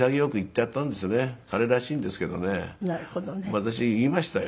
私言いましたよ。